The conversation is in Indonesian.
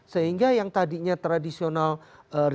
sehingga yang tadinya tradisional